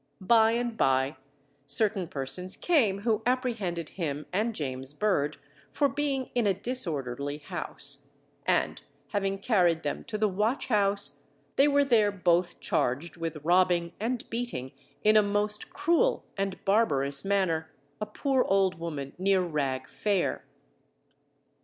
By and by certain persons came who apprehended him and James Bird for being in a disorderly house; and having carried them to the watch house, they were there both charged with robbing and beating, in a most cruel and barbarous manner, a poor old woman near Rag Fair.